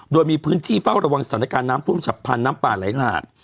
โดยมีพื้นที่เฝ้าระวังสถานการณ์น้ำท่วมฉับพันธ์น้ำป่าไหลหลาก